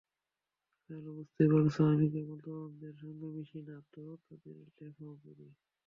তাহলে বুঝতেই পারছ, আমি কেবল তরুণদের সঙ্গে মিশি না, তঁাদের লেখাও পড়ি।